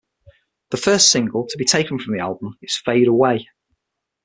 The first single to be taken from the album is "Fade Away".